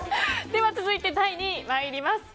では続いて第２位に参ります。